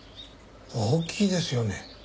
大きいですよね。